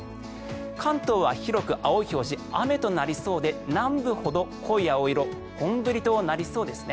関東は広く青い表示雨となりそうで南部ほど濃い青色本降りとなりそうです。